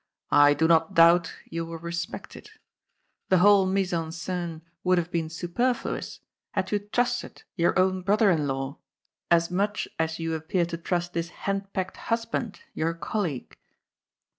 " I do not doubt you will respect it. The whole mise en sc6ne would have been superfluous, had you trusted your own brother in law as much as you appear to trust this henpecked husband, your colleague."